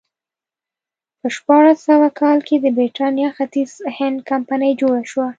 په شپاړس سوه کال کې د برېټانیا ختیځ هند کمپنۍ جوړه شوه.